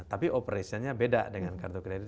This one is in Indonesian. tapi operationnya beda dengan kartu kredit